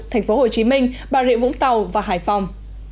tp hcm bà rịa vũng tàu và hải phòng